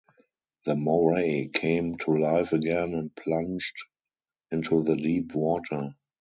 The moray came to life again and plunged into the deep water.